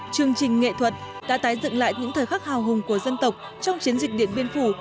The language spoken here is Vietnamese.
chương trình nghệ thuật đã tái dựng lại những thời khắc hào hùng của dân tộc trong chiến dịch điện biên phủ